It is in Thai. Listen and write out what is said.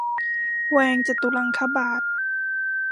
แวงจตุลังคบาท